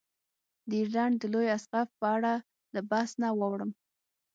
د ایرلنډ د لوی اسقف په اړه له بحث نه واوړم.